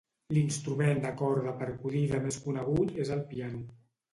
L'instrument de corda percudida més conegut és el piano.